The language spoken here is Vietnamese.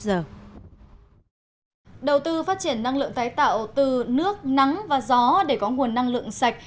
đầu tư phát triển năng lượng tái tạo từ nước nắng và gió để có nguồn năng lượng sạch